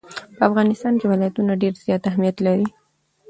په افغانستان کې ولایتونه ډېر زیات اهمیت لري.